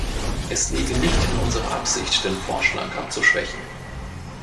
Es läge nicht in unserer Absicht, den Vorschlag abzuschwächen.